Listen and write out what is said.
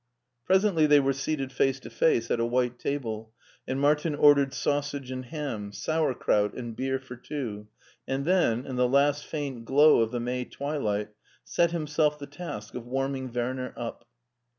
Presently they were seated face to face at a white table, and Martin ordered sausage and ham, sauer kraut, and beer for two, and then, in the last faint glow of the May twilight, set himself the task of warming Werner up.